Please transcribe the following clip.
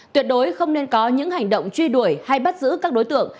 tuyệt đối không nên có những hành động truy đuổi hay bắt giữ các đối tượng